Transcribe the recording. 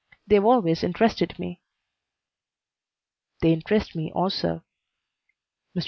They've always interested me." "They interest me, also." Mr.